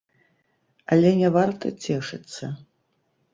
Але не варта цешыцца.